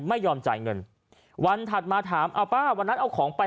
ไม่ยอมจ่ายเงินวันถัดมาถามเอาป้าวันนั้นเอาของไป